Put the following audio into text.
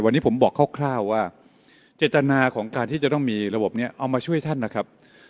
วันนี้ผมบอกคร่าวว่าเจตนาของการที่จะต้องมีระบบนี้เอามาช่วยท่านนะครับ